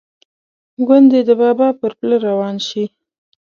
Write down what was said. ګوندې د بابا پر پله روان شي.